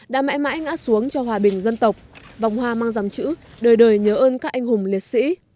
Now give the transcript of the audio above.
đã mãi mãi ngã xuống cho hòa bình dân tộc vòng hoa mang dòng chữ đời đời nhớ ơn các anh hùng liệt sĩ